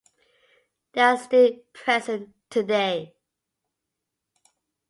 They are still present today.